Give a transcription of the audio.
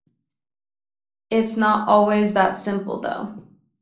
It's not always that simple, though.